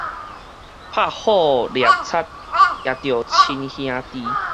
拍虎掠賊也著親兄弟